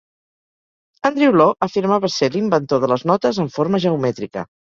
Andrew Law afirmava ser l'inventor de les notes amb forma geomètrica.